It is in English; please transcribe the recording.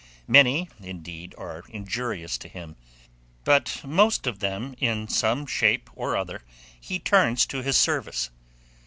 Many, indeed, are injurious to him; but most of them, in some shape or other, he turns to his service.